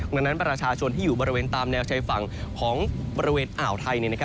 ดังนั้นประชาชนที่อยู่บริเวณตามแนวชายฝั่งของบริเวณอ่าวไทย